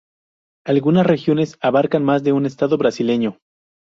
Algunas regiones abarcan más de un estado brasileño.